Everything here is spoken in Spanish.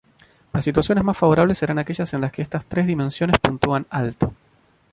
Las situaciones más favorables serán aquellas en las que estas tres dimensiones puntúan alto.